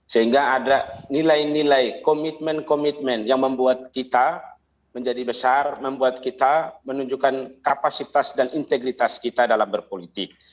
sehingga ada nilai nilai komitmen komitmen yang membuat kita menjadi besar membuat kita menunjukkan kapasitas dan integritas kita dalam berpolitik